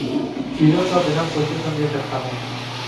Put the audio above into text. چیزوں کا بنا سوچے سمجھے کرتا ہوں